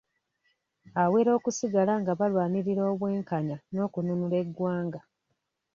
Awera okusigala nga balwanirira obwenkanya n’okununula eggwanga.